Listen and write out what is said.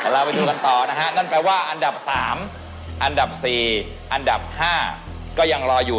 เราไปดูกันต่อนะฮะนั่นแปลว่าอันดับ๓อันดับ๔อันดับ๕ก็ยังรออยู่